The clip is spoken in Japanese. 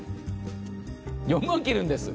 ４万切るんです。